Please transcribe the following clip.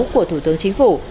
của thủ tướng chính phủ